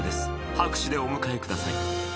拍手でお迎えください」